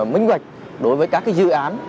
minh hoạch đối với các dự án